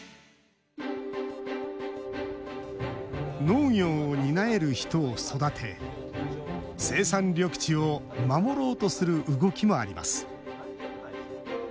農業を担える人を育て生産緑地を守ろうとする動きもあります。